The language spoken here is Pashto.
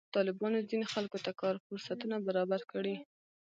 طالبانو ځینې خلکو ته کار فرصتونه برابر کړي.